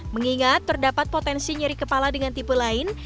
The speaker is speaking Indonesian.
mengingat terdapat potensi nyeri kepala dengan tipe lain